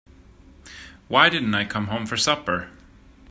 Why didn't I come home for supper?